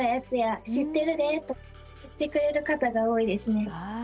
知ってるで」とか言ってくれる方が多いですね。